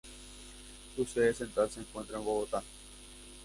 Su sede central se encuentra en Bogotá.